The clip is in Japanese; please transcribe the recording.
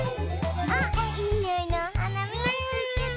あいいにおいのおはなみつけた！